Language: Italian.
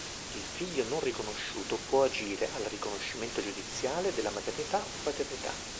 Il figlio non riconosciuto può agire al riconoscimento giudiziale della maternità o paternità.